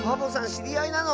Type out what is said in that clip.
しりあいなの？